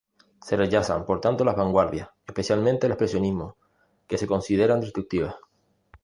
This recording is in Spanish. Se rechazan, por tanto, las vanguardias, especialmente el expresionismo, que se consideran destructivas.